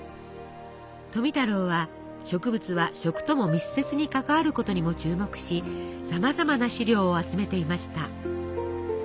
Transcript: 富太郎は植物は食とも密接に関わることにも注目しさまざまな資料を集めていました。